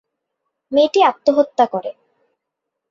মেয়েটি আত্মহত্যা করে।